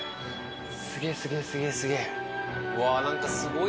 すげえすげえすげえすげえ！